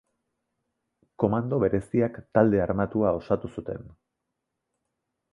Komando Bereziak talde armatua osatu zuten.